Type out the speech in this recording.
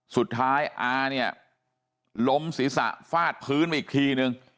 สุดท้ายอาเนี่ยล้มศีรษะฟาดพื้นมาอีกทีนึง